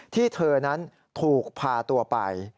ที่เธอนั้นถูกพาตัวไป